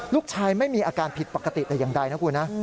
ลูกชายไม่มีอาการผิดปกติแต่อย่างใดนะคุณนะ